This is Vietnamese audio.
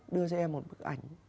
đưa cho em một bức ảnh